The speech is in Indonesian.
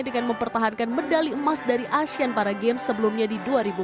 dengan menangkan emas dari asean para games sebelumnya di dua ribu empat belas